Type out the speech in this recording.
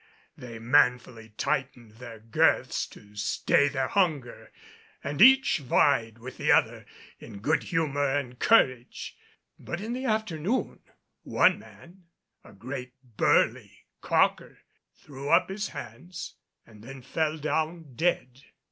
They manfully tightened their girths to stay their hunger and each vied with the other in good humor and courage. But in the afternoon one man, a great burly calker, threw up his hands and then fell down dead.